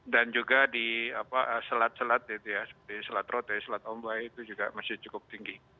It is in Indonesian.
dan juga di selat selat seperti selat roti selat ombai itu juga masih cukup tinggi